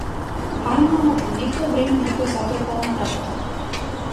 Арно ама по некое време некој затропал на вратата.